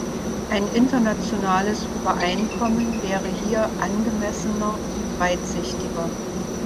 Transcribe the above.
Ein internationales Übereinkommen wäre hier angemessener und weitsichtiger.